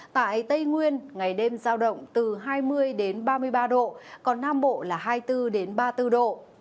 tại tây nguyên ngày đêm giao động từ hai mươi ba mươi ba độ còn nam bộ là hai mươi bốn ba mươi bốn độ